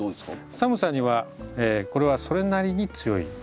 寒さにはこれはそれなりに強いですね。